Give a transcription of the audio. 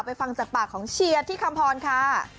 ฟังจากปากของเชียร์ที่คำพรค่ะ